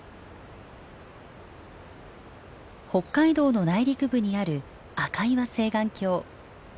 北海道の内陸部にある赤岩青巌峡。